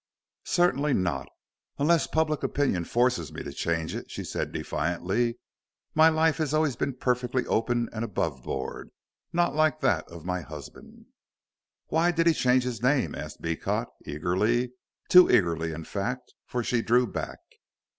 "Certainly not, unless public opinion forces me to change it," she said defiantly. "My life has always been perfectly open and above board, not like that of my husband." "Why did he change his name?" asked Beecot, eagerly too eagerly, in fact, for she drew back.